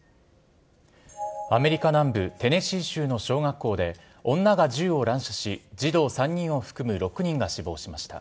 アメリカ南部テネシー州の小学校で、女が銃を乱射し、児童３人を含む６人が死亡しました。